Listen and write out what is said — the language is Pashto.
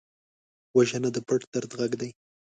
وژنه د پټ درد غږ دی